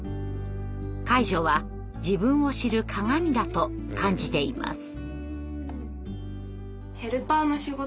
介助は自分を知る鏡だと感じています。